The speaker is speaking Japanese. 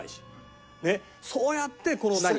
そうやってこの何？